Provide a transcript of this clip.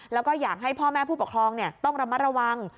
แล้วก็อยากให้พ่อแม่ผู้ปกครองต้องระมัดระวัง